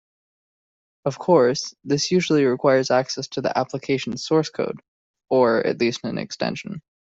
Of course, this usually requires access to the application source code (or at least an extension).